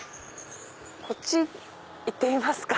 こっち行ってみますか。